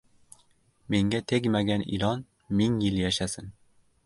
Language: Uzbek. • Menga tegmagan ilon ming yil yashasin.